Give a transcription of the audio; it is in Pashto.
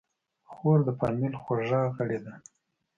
خور د فامیل خوږه غړي ده.